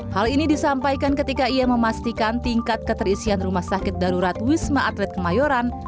hal ini disampaikan ketika ia memastikan tingkat keterisian rumah sakit darurat wisma atlet kemayoran